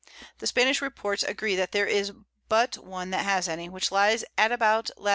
The Spanish Reports agree that there is but one that has any; which lies about Lat.